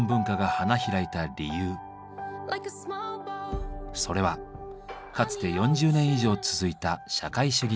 それはかつて４０年以上続いた社会主義体制。